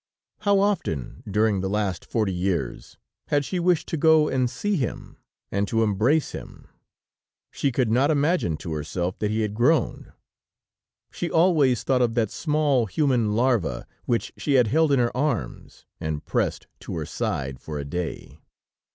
How often during the last forty years had she wished to go and see him, and to embrace him. She could not imagine to herself that he had grown! She always thought of that small, human larva, which she had held in her arms and pressed to her side for a day.